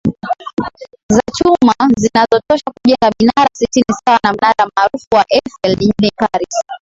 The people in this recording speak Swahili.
za chuma zinazotosha kujenga minara sitini sawa na mnara maarufu wa Eiffel jijini Paris